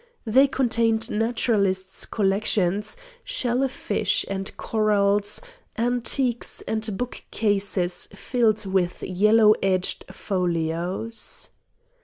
They contained naturalists' collections, shell fish and corals, antiquities, and book cases filled with yellow edged folios.